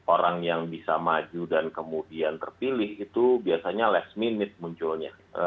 orang yang bisa maju dan kemudian terpilih itu biasanya last minute munculnya